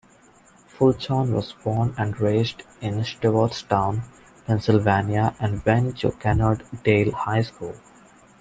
Fulton was born and raised in Stewartstown, Pennsylvania and went to Kennard-Dale High School.